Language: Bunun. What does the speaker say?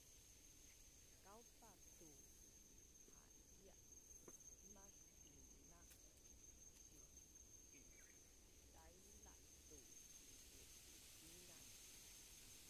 Kaupa ku haiap mas inaak sinpidailaz tu iniliskinan